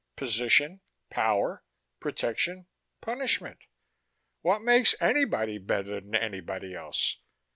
"Position, power, protection, punishment. What makes anybody better than anybody else?"